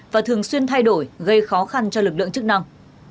và thường xuyên thay đổi gây khó khăn cho lực lượng chức năng